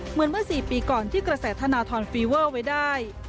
เหมือนเมื่อ๔ปีก่อนที่กระแสธนทรฟีเวอร์ไว้ได้